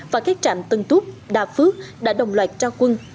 và các trạm tân túc đà phước đã đồng loạt ra quân